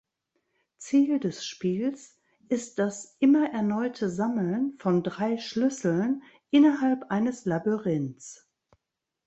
Ziel des Spiels ist das immer erneute Sammeln von drei Schlüsseln innerhalb eines Labyrinths.